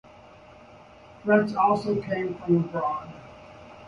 Threats also came from abroad.